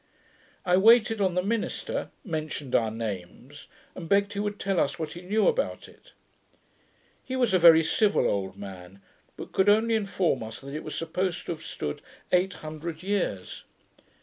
I waited on the minister, mentioned our names, and begged he would tell us what he knew about it. He was a very civil old man; but could only inform us, that it was supposed to have stood eight hundred years.